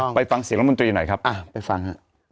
ไปฟังเสียงรัฐมนตรีหน่อยครับไปฟังฮะ